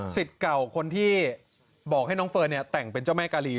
เก่าคนที่บอกให้น้องเฟิร์นแต่งเป็นเจ้าแม่กาลี